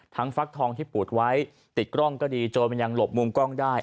ฟักทองที่ปูดไว้ติดกล้องก็ดีโจรมันยังหลบมุมกล้องได้